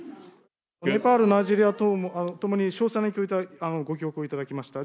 ネパール、ナイジェリアともに詳細なご記憶をいただきました。